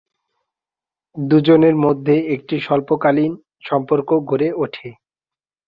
দু’জনের মধ্যে একটি স্বল্পকালীন সম্পর্ক গড়ে ওঠে।